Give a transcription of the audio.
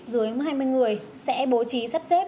dưới hai mươi người sẽ bố trí sắp xếp